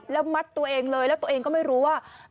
แล้วมัดตัวเองเลยแล้วตัวเองก็ไม่รู้ว่า